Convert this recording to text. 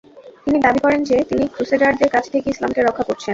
তিনি দাবি করেন যে তিনি ক্রুসেডারদের কাছ থেকে ইসলামকে রক্ষা করছেন।